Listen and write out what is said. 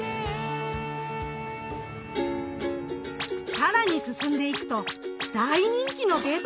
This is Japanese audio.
更に進んでいくと大人気のデート